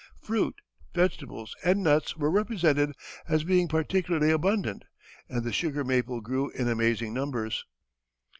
Fruit, vegetables, and nuts were represented as being particularly abundant, and the sugar maple grew in amazing numbers.